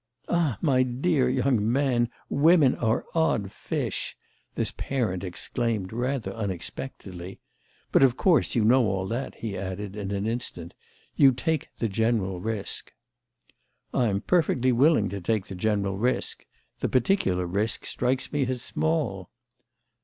"Ah, my dear young man, women are odd fish!" this parent exclaimed rather unexpectedly. "But of course you know all that," he added in an instant; "you take the general risk." "I'm perfectly willing to take the general risk. The particular risk strikes me as small."